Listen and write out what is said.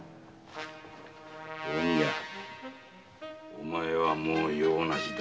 お前はもう用なしだ。